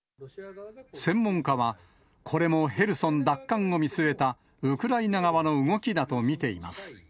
専門家は、これもヘルソン奪還を見据えたウクライナ側の動きだと見ています。